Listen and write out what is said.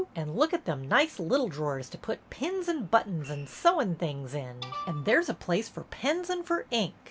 An' look at them nice little drawers to put pins and buttons and sewin' things in. An' there 's a place for pens and for ink.